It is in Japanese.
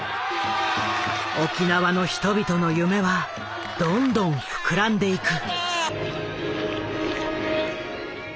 沖縄の人々の夢はどんどん膨らんでいく。